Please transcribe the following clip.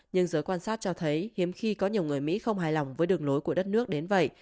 nhưng giới quan sát cho thấy hiếm khi có nhiều người mỹ không hài lòng với đường lối của đất nước đến vậy